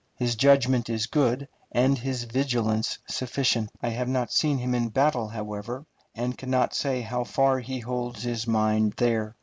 His judgment is good, and his vigilance sufficient. I have not seen him in battle, however, and can not say how far he holds his mind there.